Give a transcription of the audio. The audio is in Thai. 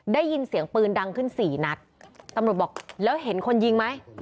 ได้ยินเสียงปืนดังขึ้นสี่นัดตำรวจบอกแล้วเห็นคนยิงไหม